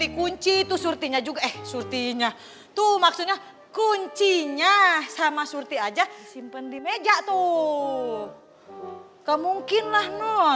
itu maksudnya kuncinya sama suruh tihaja simpen di meja tuh